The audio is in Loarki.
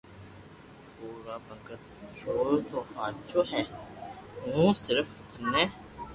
ڀورا ڀگت چور تو ھاچو ھي ھون صرف ٿني